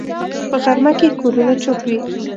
په غرمه کې کورونه چوپ وي